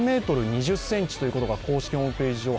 ７ｍ２０ｃｍということが公式ホームページ